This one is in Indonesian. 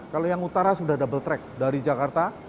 kalau yang utara sudah double track dari jakarta